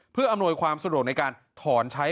เพื่ออำนวยความสะดวกในการถอนใช้